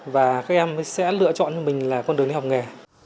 và các em sẽ lựa chọn cho mình là con đường đi học nghề